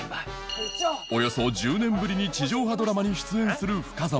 およそ１０年ぶりに地上波ドラマに出演する深澤